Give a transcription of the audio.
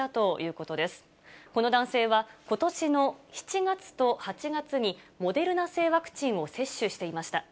この男性は、ことしの７月と８月にモデルナ製ワクチンを接種していました。